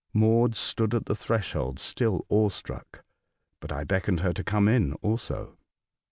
Maud stood at the threshold still awe struck, but I beckoned her to come in also.